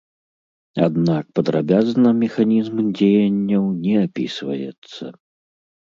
Аднак падрабязна механізм дзеянняў не апісваецца.